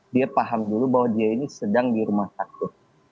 dia paham dulu bahwa dia ini sedang di rumah sakit